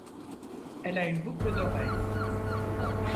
Elle a une boucle d'oreille.